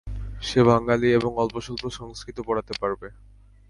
সে বাঙালী এবং অল্পস্বল্প সংস্কৃত পড়াতে পারবে।